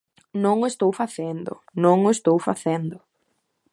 Non o estou facendo, non o estou facendo.